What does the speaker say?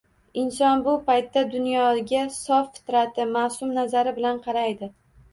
Inson bu paytda dunyoga sof fitrati, ma’sum nazari bilan qaraydi.